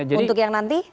untuk yang nanti